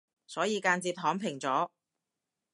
所以間接躺平咗